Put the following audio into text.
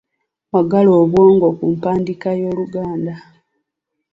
Wagala obwongo ku mpandiika y’Oluganda.